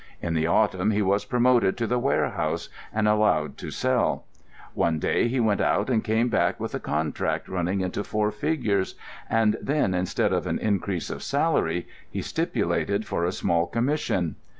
In the autumn he was promoted to the warehouse and allowed to sell. One day he went out and came back with a contract running into four figures; and then, instead of an increase of salary, he stipulated for a small commission.